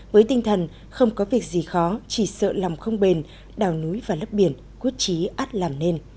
với tinh thần không có việc gì khó chỉ sợ lòng không bền đào núi và lấp biển quốc trí át làm nên